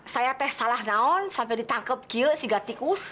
saya salah naon sampai ditangkep kiel sigar tikus